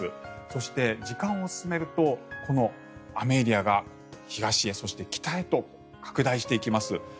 そして、時間を進めるとこの雨エリアが東へそして北へと拡大していきます。